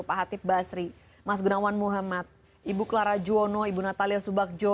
pak hatip basri mas gunawan muhammad ibu clara juwono ibu natalia subakjo